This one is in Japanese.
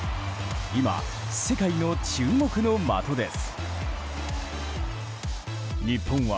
今、世界の注目の的です。